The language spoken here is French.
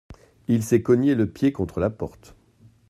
Il s’est cogné le pied contre la porte.